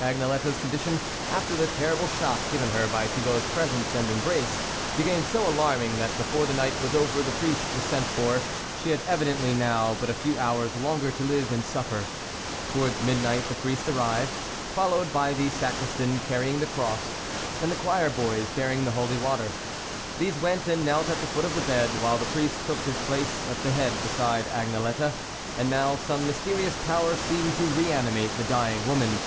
Agnelette's condition, after the terrible shock given her by Thibault's presence and embrace, became so alarming that io8 THE WOLF LEADER before the night was over the priest was sent for ; she had evidently now but a few hours longer to live and suffer. Towards midnight the priest arrived, followed by the sacristan carrying the cross, and the choir boys bearing the holy water. These went and knelt at the foot of the bed, while the priest took his place at the head beside Agnelette. And now, some mysterious power seemed to re animate the dying woman.